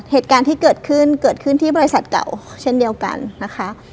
เหตุการณ์ที่เกิดขึ้นเกิดขึ้นที่บริษัทเก่าเช่นเดียวกันนะคะ